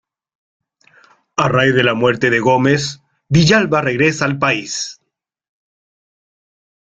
A raíz de la muerte de Gómez, Villalba regresa al país.